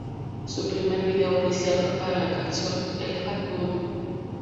Su primer vídeo oficial fue para la canción "Elephant Gun".